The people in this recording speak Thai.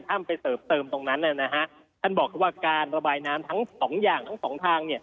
ท่านบอกว่าการระบายน้ำทั้ง๒อย่างทั้ง๒ทาง